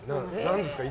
何ですか？